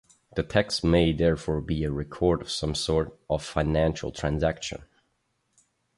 The text may therefore be a record of some sort of financial transaction.